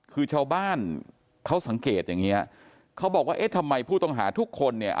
คือชาวบ้านเขาสังเกตอย่างเงี้ยเขาบอกว่าเอ๊ะทำไมผู้ต้องหาทุกคนเนี่ย